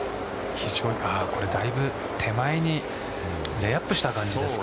だいぶ手前にレイアップした感じですか。